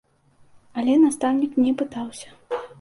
Але настаўнік не пытаўся.